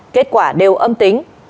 kết quả đều âm tính